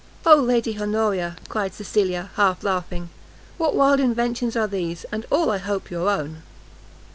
"O Lady Honoria!" cried Cecilia, half laughing, "what wild inventions are these! and all I hope, your own?"